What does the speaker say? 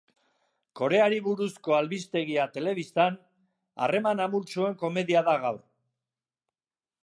Koreari buruzko albistegia telebistan, harreman amultsuen komedia da gaur.